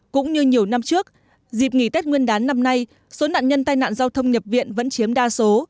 cũng như nhiều năm trước dịp nghỉ tết nguyên đán năm nay số nạn nhân tai nạn giao thông nhập viện vẫn chiếm đa số